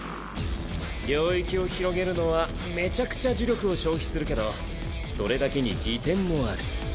領域を広げるのはめちゃくちゃ呪力を消費するけどそれだけに利点もある。